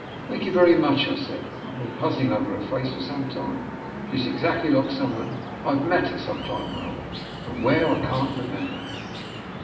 "Thank you very much," I said. "I have been puzzling over her face for some time. She's exactly like someone I've met some time or other, but where, I can't remember."